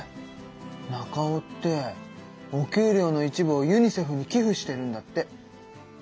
ナカオってお給料の一部をユニセフに寄付してるんだって！